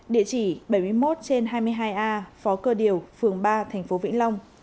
địa chỉ bảy mươi một trên hai mươi hai a phó cơ điều phường ba tp vĩnh long